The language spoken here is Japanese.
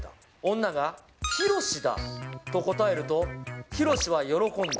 女がヒロシだと答えると、ヒロシは喜んだ。